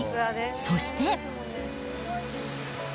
そして。